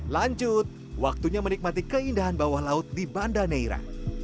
lanjut waktunya menikmati keindahan bawah laut di banda neira